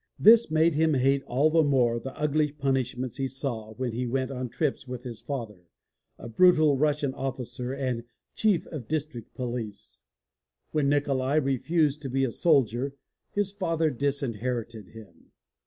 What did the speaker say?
This made him hate all the more the ugly punish ments he saw when he went on trips with his father, a brutal Russian officer and Chief of District Police. When Nikolai re fused to be a soldier his father disinherited him.